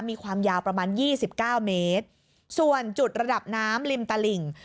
มีความยาวประมาณยี่สิบเก้าเมตรส่วนจุดระดับน้ำริมตลิ่ง